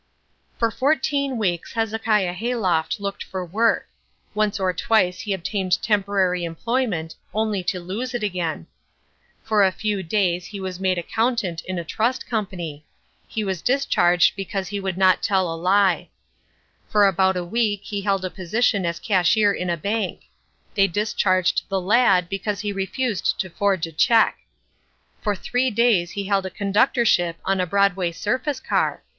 For fourteen weeks Hezekiah Hayloft looked for work. Once or twice he obtained temporary employment only to lose it again. For a few days he was made accountant in a trust company. He was discharged because he would not tell a lie. For about a week he held a position as cashier in a bank. They discharged the lad because he refused to forge a cheque. For three days he held a conductorship on a Broadway surface car.